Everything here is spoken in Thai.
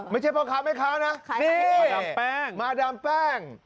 พ่อค้าแม่ค้านะนี่มาดามแป้ง